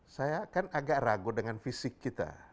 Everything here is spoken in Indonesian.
saya kan agak ragu dengan fisik kita